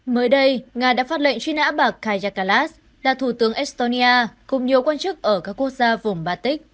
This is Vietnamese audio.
mới đây nga đã phát lệnh truy nã bà kayakalas là thủ tướng estonia cùng nhiều quan chức ở các quốc gia vùng batic